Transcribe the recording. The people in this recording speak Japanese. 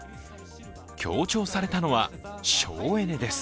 強調されたのは、省エネです。